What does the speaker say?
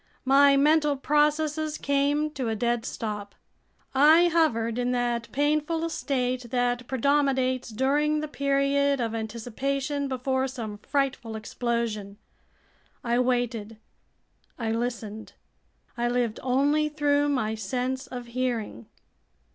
My mental processes came to a dead stop. I hovered in that painful state that predominates during the period of anticipation before some frightful explosion. I waited, I listened, I lived only through my sense of hearing!